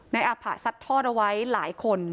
อาผะซัดทอดเอาไว้หลายคน